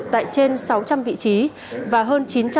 tại trên sáu trăm linh vị trí và hơn